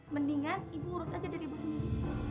mendingan ibu urus aja dari ibu sendiri